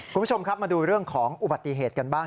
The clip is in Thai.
คุณผู้ชมครับมาดูเรื่องของอุบัติเหตุกันบ้าง